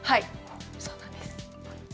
そうなんです。